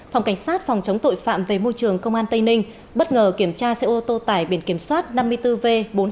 phòng cảnh sát phòng chống tội phạm về môi trường công an tây ninh bất ngờ kiểm tra xe ô tô tải biển kiểm soát năm mươi bốn v bốn nghìn sáu trăm hai mươi ba